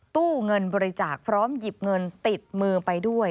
ตู้เงินบริจาคพร้อมหยิบเงินติดมือไปด้วย